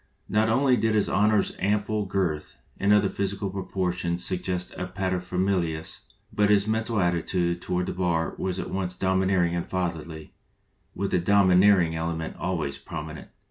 Not only did his Honor's ample girth and other physical proportions suggest a paterfamilias, but his mental attitude toward the bar was at once dom ineering and fatherly, with the domineering ele ment always prominent.